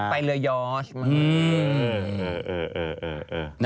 ไปเรือยอส